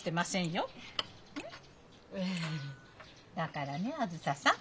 だからねあづささん